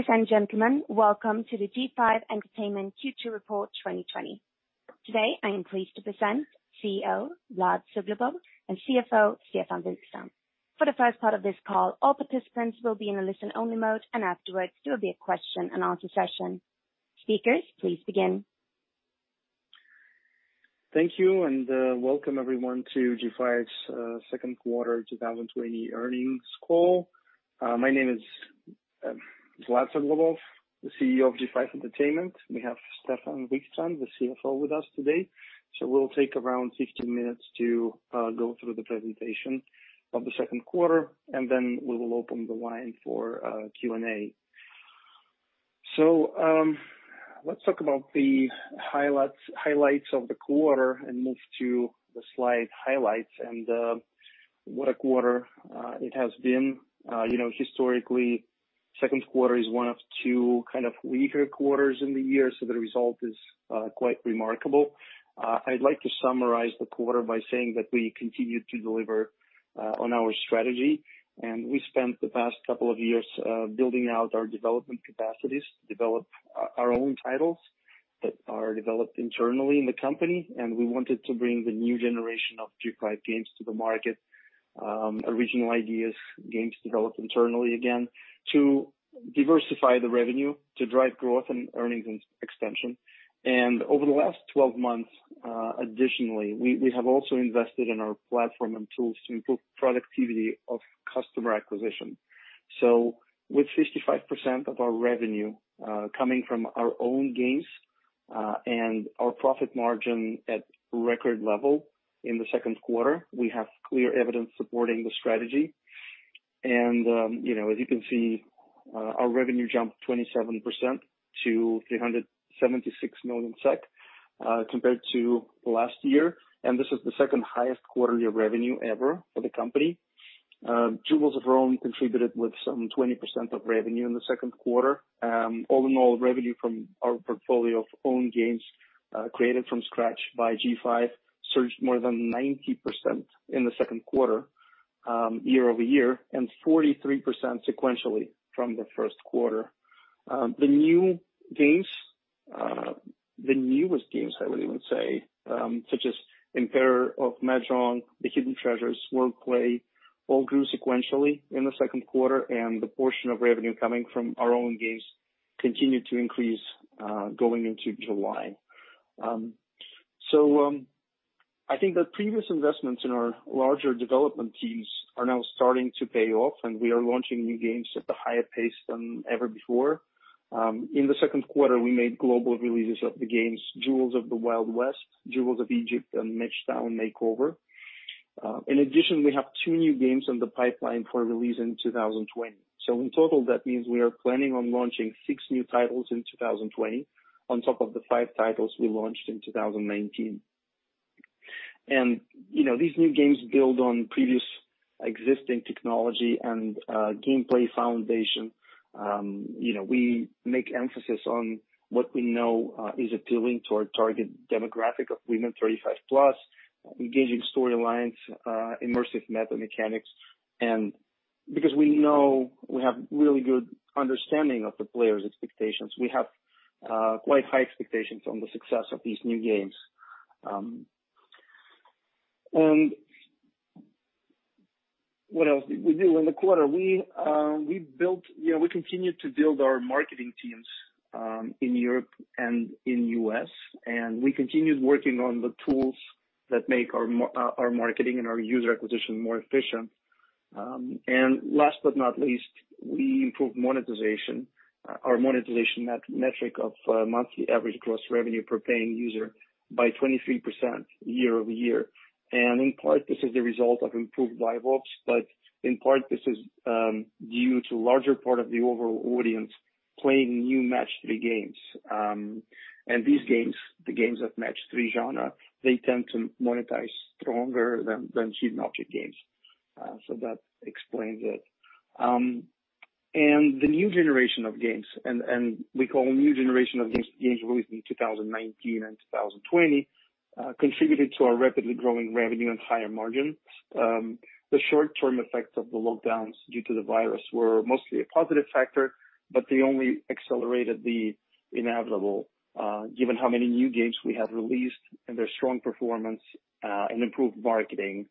Ladies and gentlemen, welcome to the G5 Entertainment Q2 Report 2020. Today, I'm pleased to present CEO, Vlad Suglobov, and CFO, Stefan Wikstrand. For the first part of this call, all participants will be in a listen-only mode, and afterwards there will be a question and answer session. Speakers, please begin. Thank you, and welcome everyone to G5's second quarter 2020 earnings call. My name is Vlad Suglobov, the CEO of G5 Entertainment. We have Stefan Wikstrand, the CFO with us today. We'll take around 15 minutes to go through the presentation of the second quarter, then we will open the line for Q&A. Let's talk about the highlights of the quarter and move to the slide highlights and what a quarter it has been. Historically, second quarter is one of two kind of weaker quarters in the year, the result is quite remarkable. I'd like to summarize the quarter by saying that we continued to deliver on our strategy. We spent the past couple of years building out our development capacities to develop our own titles that are developed internally in the company, and we wanted to bring the new generation of G5 games to the market. Original ideas, games developed internally, again, to diversify the revenue to drive growth and earnings extension. Over the last 12 months, additionally, we have also invested in our platform and tools to improve productivity of customer acquisition. With 55% of our revenue coming from our own games, and our profit margin at record level in the second quarter, we have clear evidence supporting the strategy. As you can see, our revenue jumped 27% to 376 million SEK compared to last year. This is the second highest quarterly revenue ever for the company. Jewels of Rome contributed with some 20% of revenue in the second quarter. All in all, revenue from our portfolio of own games, created from scratch by G5 Entertainment, surged more than 90% in the second quarter, year-over-year, and 43% sequentially from the first quarter. The newest games, I would even say, such as Emperor of Mahjong, The Hidden Treasures, Wordplay, all grew sequentially in the second quarter, and the portion of revenue coming from our own games continued to increase, going into July. I think the previous investments in our larger development teams are now starting to pay off, and we are launching new games at a higher pace than ever before. In the second quarter, we made global releases of the games Jewels of the Wild West, Jewels of Egypt, and Match Town Makeover. In addition, we have two new games in the pipeline for release in 2020. In total, that means we are planning on launching six new titles in 2020 on top of the five titles we launched in 2019. These new games build on previous existing technology and gameplay foundation. We make emphasis on what we know is appealing to our target demographic of women 35+, engaging storylines, immersive meta mechanics. Because we know we have really good understanding of the players' expectations, we have quite high expectations on the success of these new games. What else did we do in the quarter? We continued to build our marketing teams in Europe and in U.S., and we continued working on the tools that make our marketing and our user acquisition more efficient. Last but not least, we improved monetization, our monetization metric of monthly average gross revenue per paying user by 23% year-over-year. In part, this is the result of improved Live Ops, but in part, this is due to larger part of the overall audience playing new match-3 games. These games, the games of match-3 genre, they tend to monetize stronger than hidden object games. That explains it. The new generation of games, and we call new generation of games released in 2019 and 2020, contributed to our rapidly growing revenue and higher margin. The short-term effects of the lockdowns due to the virus were mostly a positive factor, but they only accelerated the inevitable given how many new games we have released and their strong performance, and improved marketing.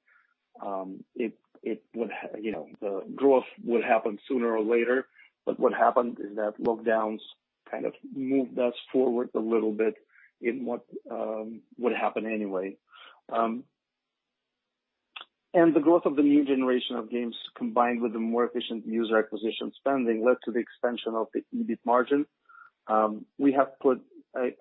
The growth would happen sooner or later, but what happened is that lockdowns kind of moved us forward a little bit in what would happen anyway. The growth of the new generation of games, combined with the more efficient user acquisition spending, led to the expansion of the EBIT margin. We have put,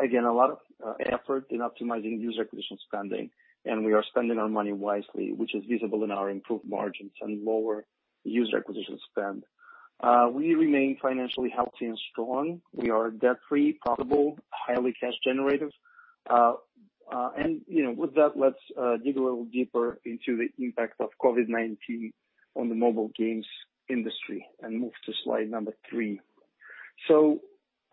again, a lot of effort in optimizing user acquisition spending, and we are spending our money wisely, which is visible in our improved margins and lower user acquisition spend. We remain financially healthy and strong. We are debt-free, profitable, highly cash generative. With that, let's dig a little deeper into the impact of COVID-19 on the mobile games industry and move to slide number three.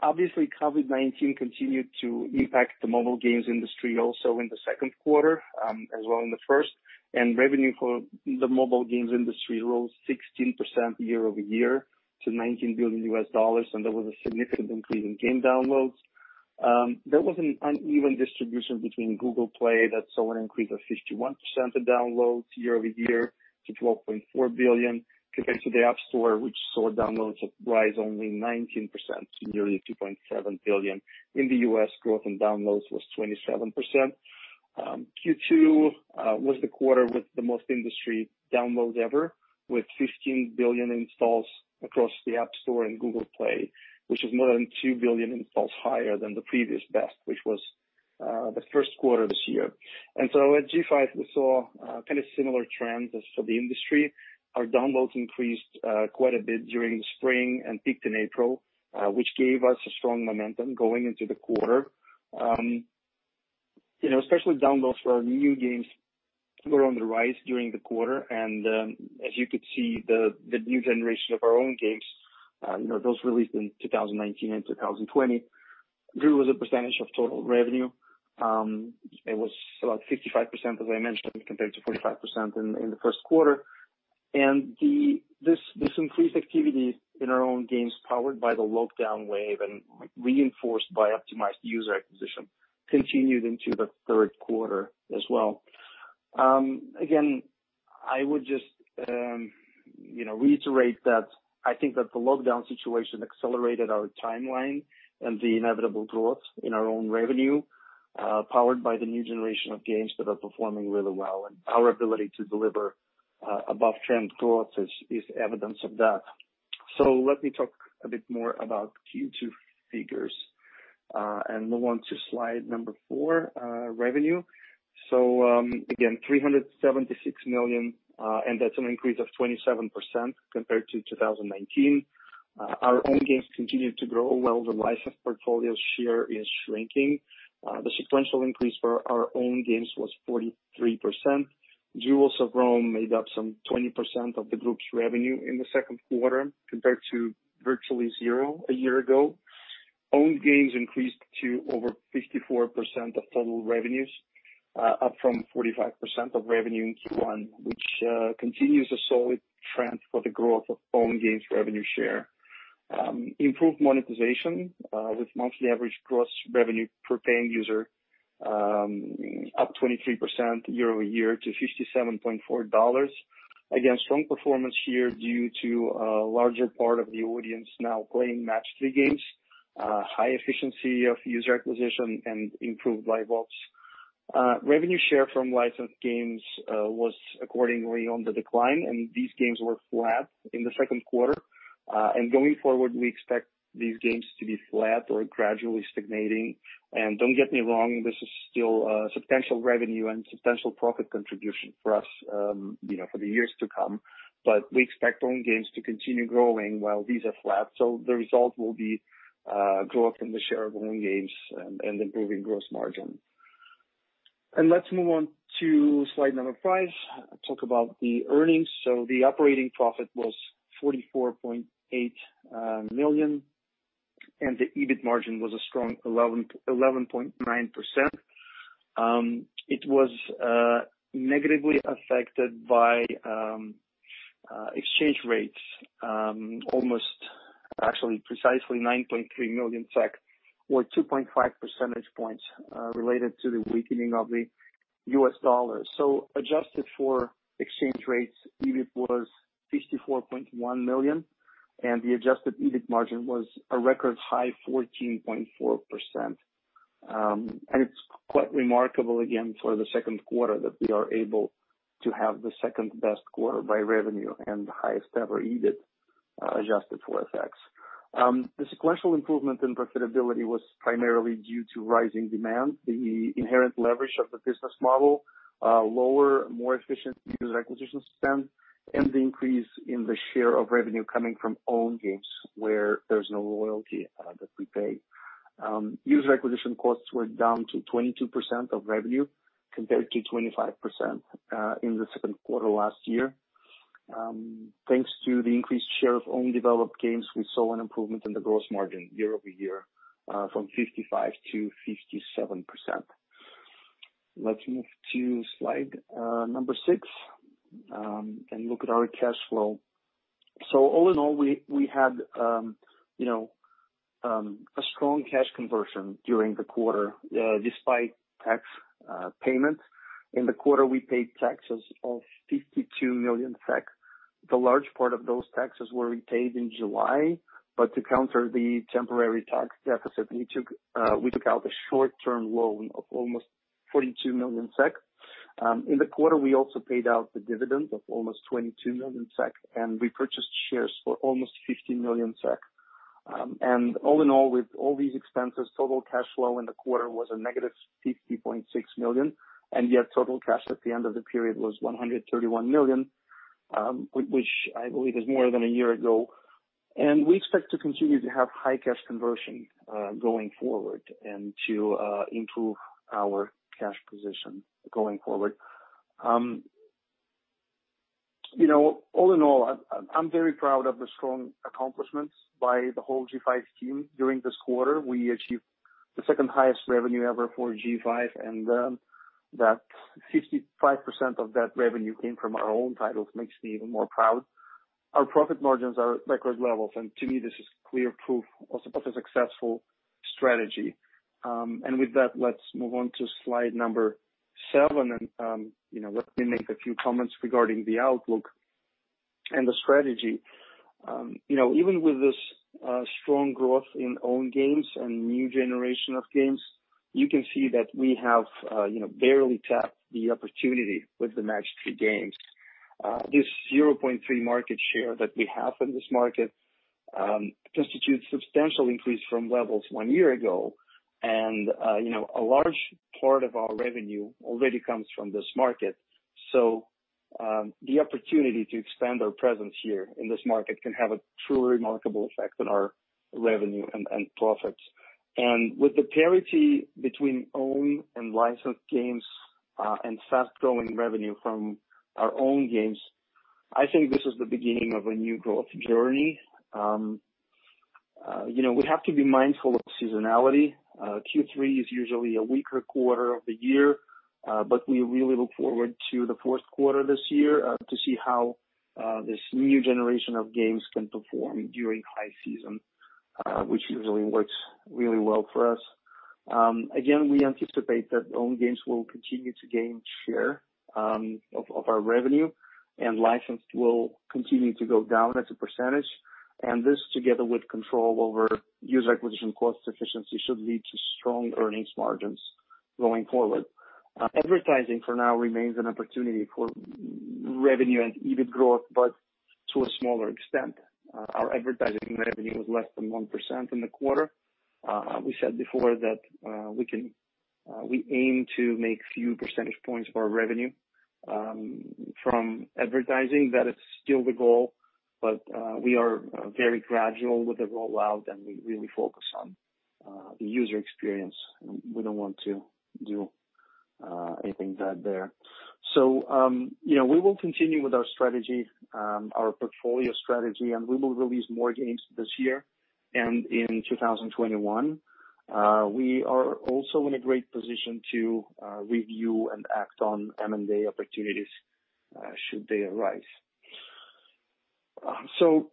Obviously, COVID-19 continued to impact the mobile games industry also in the second quarter, as well in the first. Revenue for the mobile games industry rose 16% year-over-year to $19 billion, and there was a significant increase in game downloads. There was an uneven distribution between Google Play, that saw an increase of 51% of downloads year-over-year to 12.4 billion, compared to the App Store, which saw downloads rise only 19% to nearly 2.7 billion. In the U.S., growth in downloads was 27%. Q2 was the quarter with the most industry downloads ever, with 15 billion installs across the App Store and Google Play, which is more than 2 billion installs higher than the previous best, which was the first quarter this year. At G5, we saw similar trends as for the industry. Our downloads increased quite a bit during the spring and peaked in April, which gave us a strong momentum going into the quarter. Especially downloads for our new games were on the rise during the quarter. As you could see, the new generation of our own games, those released in 2019 and 2020, grew as a percentage of total revenue. It was about 55%, as I mentioned, compared to 45% in the first quarter. This increased activity in our own games, powered by the lockdown wave and reinforced by optimized user acquisition, continued into the third quarter as well. Again, I would just reiterate that I think that the lockdown situation accelerated our timeline and the inevitable growth in our own revenue, powered by the new generation of games that are performing really well. Our ability to deliver above-trend growth is evidence of that. Let me talk a bit more about Q2 figures, and move on to slide number four, revenue. Again, 376 million, and that's an increase of 27% compared to 2019. Our own games continued to grow while the licensed portfolio share is shrinking. The sequential increase for our own games was 43%. Jewels of Rome made up some 20% of the group's revenue in the second quarter, compared to virtually zero a year ago. Owned games increased to over 54% of total revenues, up from 45% of revenue in Q1, which continues a solid trend for the growth of owned games revenue share. Improved monetization with monthly average gross revenue per paying user up 23% year-over-year to $57.40. Strong performance here due to a larger part of the audience now playing match-3 games, high efficiency of user acquisition, and improved Live Ops. Revenue share from licensed games was accordingly on the decline, and these games were flat in the second quarter. Going forward, we expect these games to be flat or gradually stagnating. Don't get me wrong, this is still substantial revenue and substantial profit contribution for us for the years to come. We expect owned games to continue growing while these are flat. The result will be growth in the share of owned games and improving gross margin. Let's move on to slide number five. Talk about the earnings. The operating profit was 44.8 million, and the EBIT margin was a strong 11.9%. It was negatively affected by exchange rates. Actually, precisely 9.3 million, or 2.5 percentage points, related to the weakening of the US dollar. Adjusted for exchange rates, EBIT was 54.1 million, and the adjusted EBIT margin was a record high 14.4%. It's quite remarkable, again, for the second quarter that we are able to have the second-best quarter by revenue and the highest-ever EBIT adjusted for FX. The sequential improvement in profitability was primarily due to rising demand, the inherent leverage of the business model, lower, more efficient user acquisition spend, and the increase in the share of revenue coming from owned games where there's no royalty that we pay. User acquisition costs were down to 22% of revenue compared to 25% in the second quarter last year. Thanks to the increased share of owned developed games, we saw an improvement in the gross margin year-over-year from 55%-57%. Let's move to slide number six and look at our cash flow. All in all, we had a strong cash conversion during the quarter despite tax payments. In the quarter, we paid taxes of 52 million. The large part of those taxes were retained in July. To counter the temporary tax deficit, we took out a short-term loan of almost 42 million SEK. In the quarter, we also paid out the dividend of almost 22 million SEK, and we purchased shares for almost 50 million SEK. All in all, with all these expenses, total cash flow in the quarter was a negative 50.6 million, and yet total cash at the end of the period was 131 million, which I believe is more than a year ago. We expect to continue to have high cash conversion going forward and to improve our cash position going forward. All in all, I'm very proud of the strong accomplishments by the whole G5 team during this quarter. We achieved the second highest revenue ever for G5, and that 55% of that revenue came from our own titles makes me even more proud. Our profit margins are at record levels, and to me, this is clear proof also of a successful strategy. With that, let's move on to slide number seven, and let me make a few comments regarding the outlook and the strategy. Even with this strong growth in own games and new generation of games, you can see that we have barely tapped the opportunity with the match-3 games. This 0.3% market share that we have in this market constitutes substantial increase from levels one year ago, and a large part of our revenue already comes from this market. The opportunity to expand our presence here in this market can have a truly remarkable effect on our revenue and profits. With the parity between owned and licensed games, and fast-growing revenue from our own games, I think this is the beginning of a new growth journey. We have to be mindful of seasonality. Q3 is usually a weaker quarter of the year, but we really look forward to the fourth quarter this year to see how this new generation of games can perform during high season, which usually works really well for us. Again, we anticipate that owned games will continue to gain share of our revenue, and licensed will continue to go down as a percentage. This, together with control over user acquisition cost efficiency, should lead to strong earnings margins going forward. Advertising for now remains an opportunity for revenue and EBIT growth, but to a smaller extent. Our advertising revenue was less than 1% in the quarter. We said before that we aim to make a few percentage points of our revenue from advertising. That is still the goal, but we are very gradual with the rollout, and we really focus on the user experience. We don't want to do anything bad there. We will continue with our portfolio strategy, and we will release more games this year and in 2021. We are also in a great position to review and act on M&A opportunities should they arise.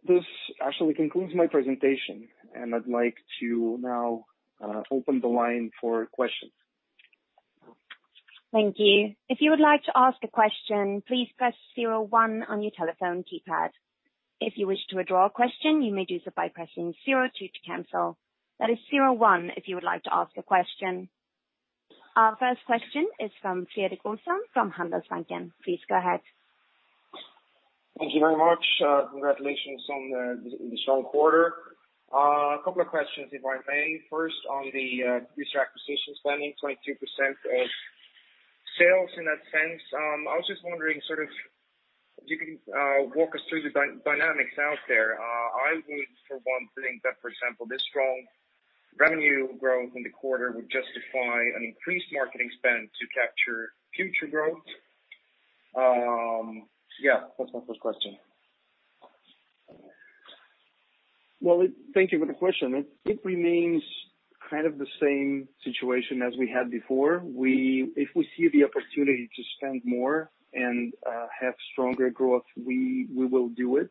This actually concludes my presentation, and I'd like to now open the line for questions. Thank you. If you would like to ask a question, please press zero one on your telephone keypad. If you wish to withdraw a question, you may do so by pressing zero two to cancel. That is zero one if you would like to ask a question. Our first question is from Fredrik Olsson from Handelsbanken. Please go ahead. Thank you very much. Congratulations on the strong quarter. A couple of questions, if I may. First, on the user acquisition spending, 22% of sales in that sense. I was just wondering sort of if you can walk us through the dynamics out there? I would, for one, think that, for example, this strong revenue growth in the quarter would justify an increased marketing spend to capture future growth. Yeah. That's my first question. Well, thank you for the question. It remains kind of the same situation as we had before. If we see the opportunity to spend more and have stronger growth, we will do it.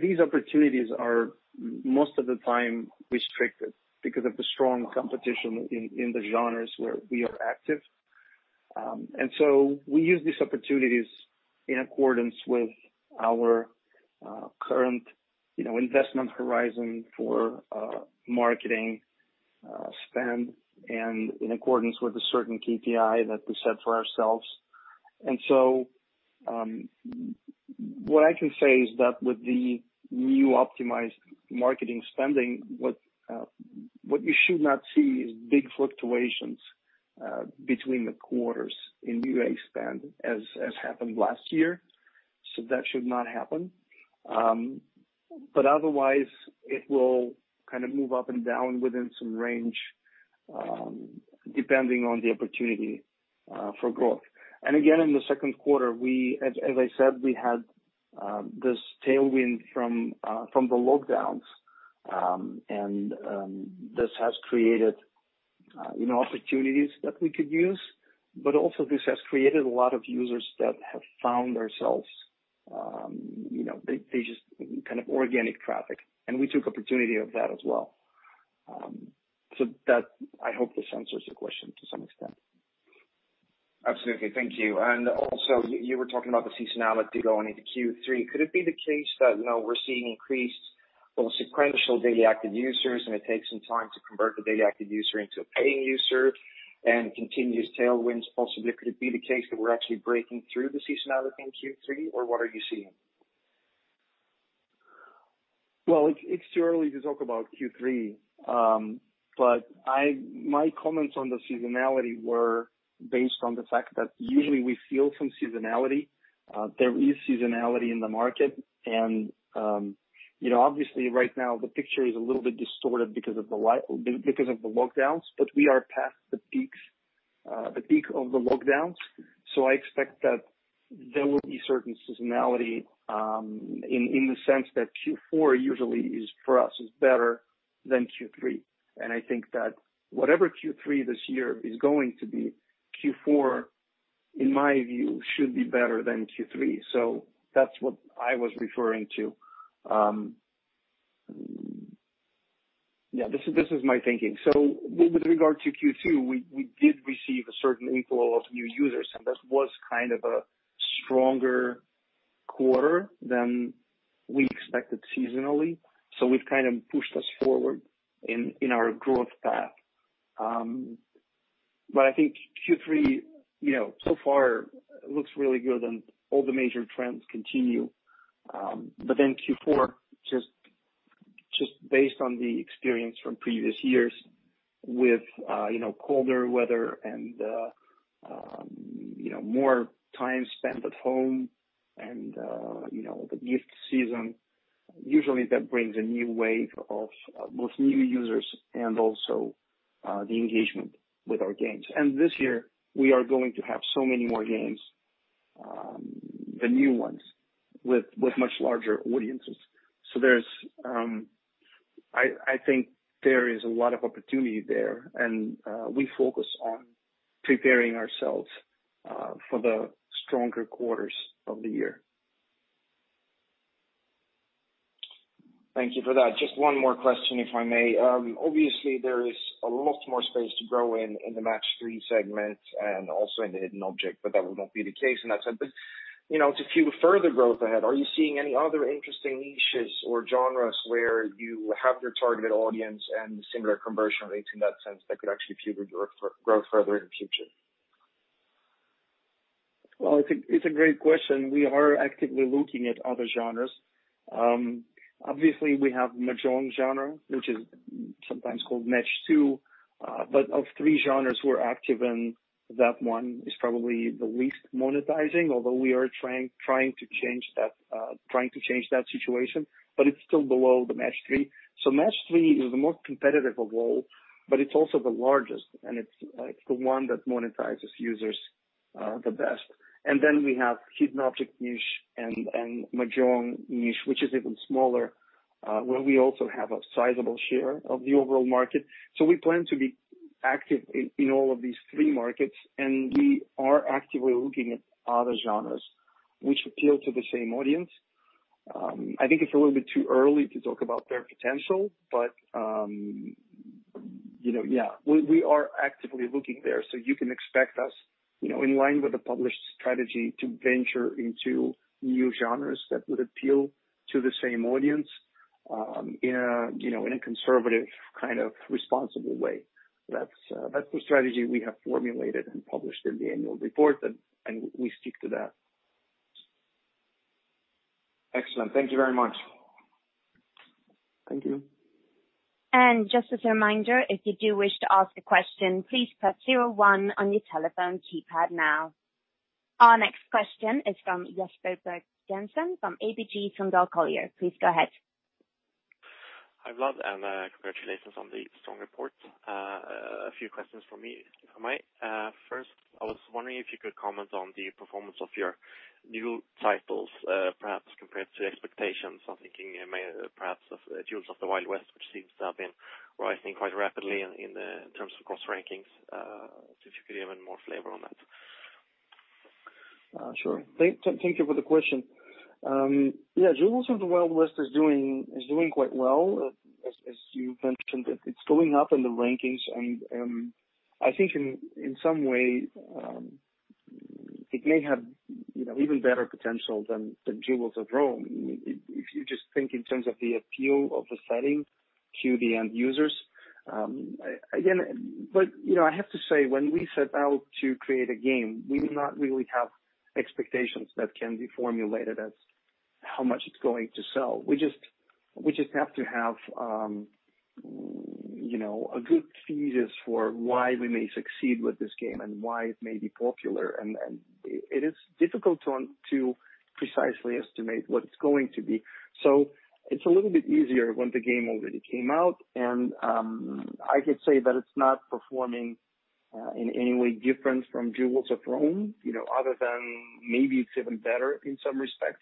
These opportunities are most of the time restricted because of the strong competition in the genres where we are active. We use these opportunities in accordance with our current investment horizon for marketing spend and in accordance with a certain KPI that we set for ourselves. What I can say is that with the new optimized marketing spending, what you should not see is big fluctuations between the quarters in new spend as happened last year. That should not happen. Otherwise, it will move up and down within some range, depending on the opportunity for growth. Again, in the second quarter, as I said, we had this tailwind from the lockdowns, and this has created opportunities that we could use. Also, this has created a lot of users that have found ourselves, they just kind of organic traffic. We took opportunity of that as well. I hope this answers your question to some extent. Absolutely. Thank you. Also, you were talking about the seasonality going into Q3. Could it be the case that we're seeing increased or sequential daily active users and it takes some time to convert the daily active user into a paying user and continuous tailwinds? Also, could it be the case that we're actually breaking through the seasonality in Q3, or what are you seeing? Well, it's too early to talk about Q3. My comments on the seasonality were based on the fact that usually we feel some seasonality. There is seasonality in the market. Obviously right now the picture is a little bit distorted because of the lockdowns, but we are past the peak of the lockdowns. I expect that there will be certain seasonality, in the sense that Q4 usually for us is better than Q3. I think that whatever Q3 this year is going to be, Q4, in my view, should be better than Q3. That's what I was referring to. Yeah, this is my thinking. With regard to Q2, we did receive a certain inflow of new users, and that was kind of a stronger quarter than we expected seasonally. We've kind of pushed us forward in our growth path. I think Q3 so far looks really good and all the major trends continue. Q4, just based on the experience from previous years with colder weather and more time spent at home and the gift season, usually that brings a new wave of both new users and also the engagement with our games. This year we are going to have so many more games, the new ones with much larger audiences. I think there is a lot of opportunity there, and we focus on preparing ourselves for the stronger quarters of the year. Thank you for that. Just one more question, if I may. Obviously there is a lot more space to grow in the match-3 segment and also in the Hidden Object, but that will not be the case in that sense. To fuel further growth ahead, are you seeing any other interesting niches or genres where you have your targeted audience and similar conversion rates in that sense that could actually fuel your growth further in the future? Well, it's a great question. We are actively looking at other genres. Obviously we have Mahjong genre, which is sometimes called match-2. Of three genres we're active in, that one is probably the least monetizing, although we are trying to change that situation. It's still below the match-3. Match-3 is the most competitive of all, but it's also the largest, and it's the one that monetizes users the best. Then we have Hidden Object niche and Mahjong niche, which is even smaller, where we also have a sizable share of the overall market. We plan to be active in all of these three markets, and we are actively looking at other genres which appeal to the same audience. I think it's a little bit too early to talk about their potential, but, yeah, we are actively looking there. You can expect us, in line with the published strategy, to venture into new genres that would appeal to the same audience in a conservative, kind of responsible way. That's the strategy we have formulated and published in the annual report, and we stick to that. Excellent. Thank you very much. Thank you. Just as a reminder, if you do wish to ask a question, please press zero one on your telephone keypad now. Our next question is from Jesper Birch-Jensen from ABG Sundal Collier. Please go ahead. Hi, Vlad, and congratulations on the strong report. A few questions from me, if I may. First, I was wondering if you could comment on the performance of your new titles, perhaps compared to expectations. I'm thinking perhaps of Jewels of the Wild West, which seems to have been rising quite rapidly in terms of gross rankings, so if you could give more flavor on that. Sure. Thank you for the question. Yeah, Jewels of the Wild West is doing quite well. As you mentioned, it's going up in the rankings. I think in some way, it may have even better potential than Jewels of Rome. If you just think in terms of the appeal of the setting to the end users. I have to say, when we set out to create a game, we do not really have expectations that can be formulated as how much it's going to sell. We just have to have a good thesis for why we may succeed with this game and why it may be popular, and it is difficult to precisely estimate what it's going to be. It's a little bit easier when the game already came out. I could say that it's not performing in any way different from Jewels of Rome, other than maybe it's even better in some respects.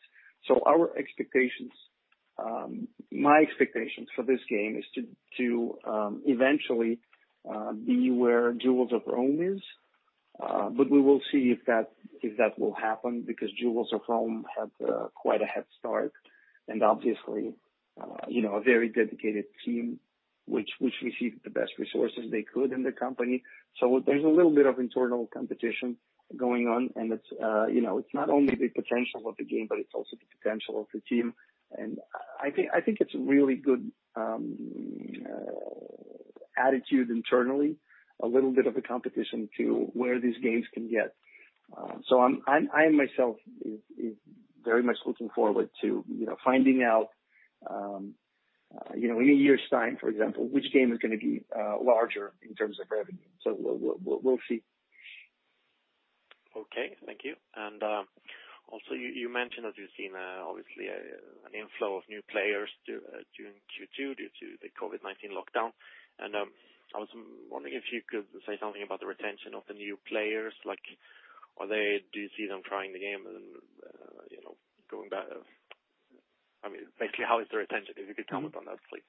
My expectations for this game is to eventually be where Jewels of Rome is. We will see if that will happen because Jewels of Rome had quite a head start. Obviously, a very dedicated team which received the best resources they could in the company. There's a little bit of internal competition going on, and it's not only the potential of the game, but it's also the potential of the team. I think it's really good attitude internally, a little bit of a competition to where these games can get. I myself am very much looking forward to finding out in a year's time, for example, which game is going to be larger in terms of revenue. We'll see. Okay, thank you. Also you mentioned that you've seen obviously an inflow of new players during Q2 due to the COVID-19 lockdown. I was wondering if you could say something about the retention of the new players. Do you see them trying the game and going back? Basically, how is the retention? If you could comment on that, please.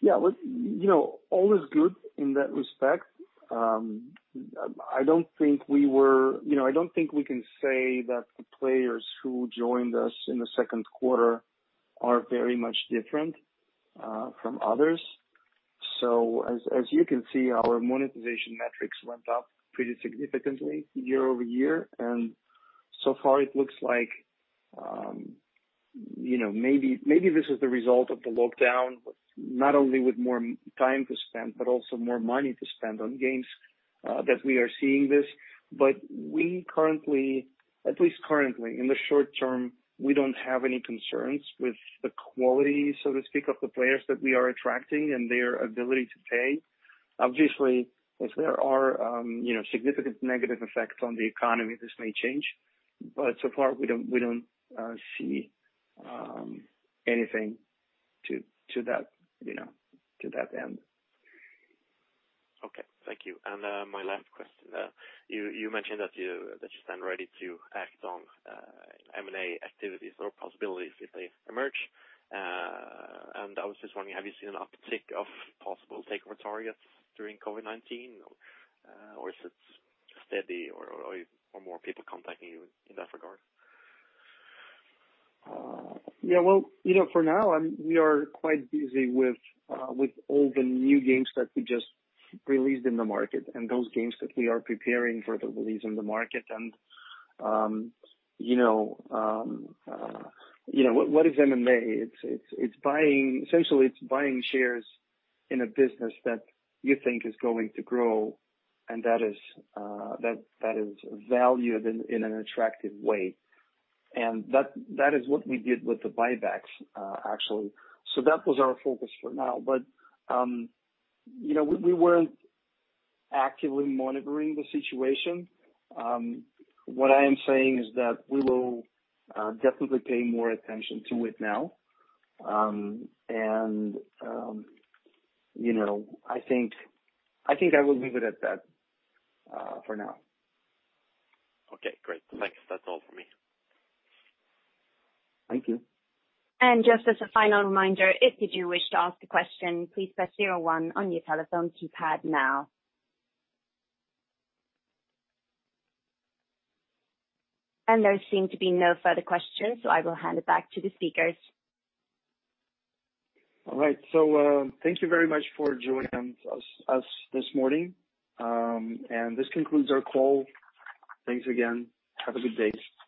Yeah. All is good in that respect. I don't think we can say that the players who joined us in the second quarter are very much different from others. As you can see, our monetization metrics went up pretty significantly year-over-year, so far it looks like maybe this is the result of the lockdown, but not only with more time to spend, but also more money to spend on games, that we are seeing this. At least currently, in the short term, we don't have any concerns with the quality, so to speak, of the players that we are attracting and their ability to pay. Obviously, if there are significant negative effects on the economy, this may change, but so far we don't see anything to that end. Okay. Thank you. My last question. You mentioned that you stand ready to act on M&A activities or possibilities if they emerge. I was just wondering, have you seen an uptick of possible takeover targets during COVID-19, or is it steady, or are more people contacting you in that regard? Yeah. For now, we are quite busy with all the new games that we just released in the market and those games that we are preparing for the release in the market. What is M&A? Essentially it's buying shares in a business that you think is going to grow and that is valued in an attractive way. That is what we did with the buybacks, actually. That was our focus for now. We weren't actively monitoring the situation. What I am saying is that we will definitely pay more attention to it now. I think I will leave it at that for now. Okay, great. Thanks. That's all for me. Thank you. Just as a final reminder, if you wish to ask a question, please press zero one on your telephone keypad now. There seem to be no further questions, so I will hand it back to the speakers. All right. Thank you very much for joining us this morning. This concludes our call. Thanks again. Have a good day.